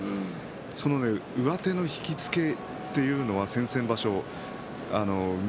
その上手の引き付けというのは先々場所、翠